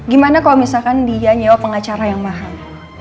gimana kalau misalkan dia nyewa pengacara yang mahal